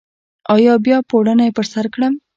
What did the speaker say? او بیا پوړنی پر سرکړم